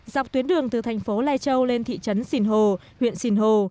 dọc tuyến đường từ thành phố lai châu lên thị trấn sinh hồ huyện sinh hồ